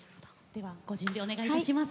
ではご準備お願いいたします。